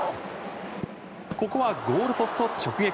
ここはゴールポスト直撃。